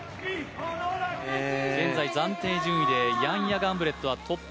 現在、暫定順位でヤンヤ・ガンブレットがトップ。